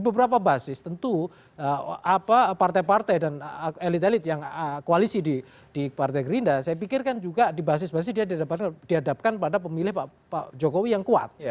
beberapa basis tentu partai partai dan elit elit yang koalisi di partai gerindra saya pikir kan juga di basis basis dia dihadapkan pada pemilih pak jokowi yang kuat